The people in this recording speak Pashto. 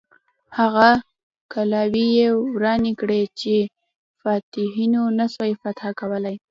هغه کلاوې یې ورانې کړې چې فاتحینو نه سوای فتح کولای.